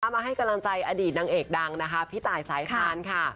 มาให้กำลังใจอดีตนางเอกดังนะคะพี่ตายสายคานค่ะ